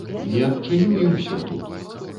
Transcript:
Не адчыню, і ўсё тут!